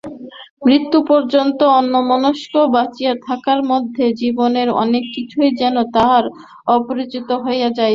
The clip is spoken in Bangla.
মৃত্যু পর্যন্ত অন্যমনস্ক বঁচিয়া থাকার মধ্যে জীবনের অনেক কিছুই যেন তাহার অপচয়িত হইয়া যাইবে।